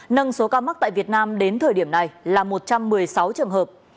nâng số ca mắc tại việt nam đến thời điểm này là một trăm một mươi sáu trường hợp